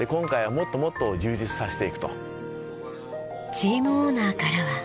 チームオーナーからは。